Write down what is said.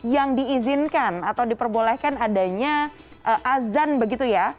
yang diizinkan atau diperbolehkan adanya azan begitu ya